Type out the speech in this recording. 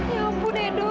ya ampun edo